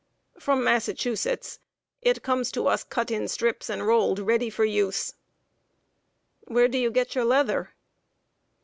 "From Massachusetts. It comes to us cut in strips and rolled, ready for use." "Where do you get your leather?"